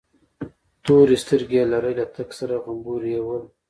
تورې سترگې يې لرلې، تک سره غمبوري یې ول.